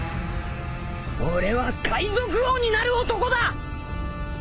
俺は海賊王になる男だ！！